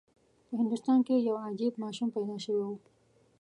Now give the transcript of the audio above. په هندوستان کې یو عجیب ماشوم پیدا شوی و.